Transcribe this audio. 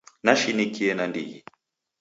Nashinikie nandighi.